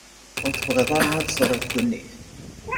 Ur tebɣiḍ ara ad teẓreḍ ddunit?